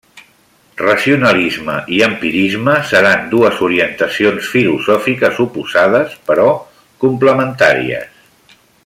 Racionalisme i empirisme seran dues orientacions filosòfiques oposades, però complementàries.